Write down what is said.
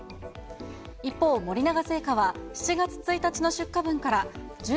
一方、森永製菓は７月１日の出荷分から、